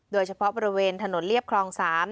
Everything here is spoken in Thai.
โดยเฉพาะบริเวณถนนเรียบคลอง๓